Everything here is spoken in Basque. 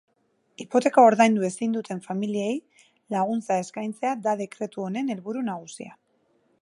Hipoteka ordaindu ezin duten familiei laguntza eskaintzea da dekretu honen helburu nagusia.